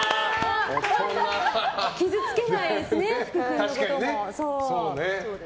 傷つけないですね、人のことを。